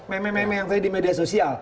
mem mem mem yang tadi di media sosial